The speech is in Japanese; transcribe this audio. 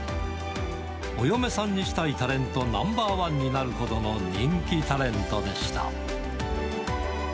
お嫁さんにしたいタレントナンバー１になるほどの人気タレントでした。